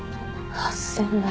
８０００万。